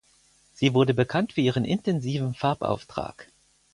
Sie wurde bekannt für ihren intensiven Farbauftrag.